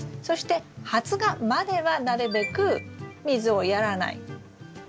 そして発芽まではなるべく水をやらない。